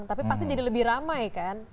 tapi pasti jadi lebih ramai kan